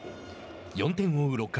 ４点を追う６回。